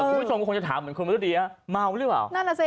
คุณผู้ชมคงจะถามเหมือนคุณมรดีเมาหรือเปล่านั่นน่ะสิ